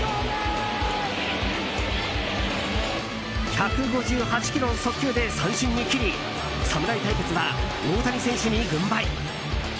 １５８キロの速球で三振に切り侍対決は大谷選手に軍配。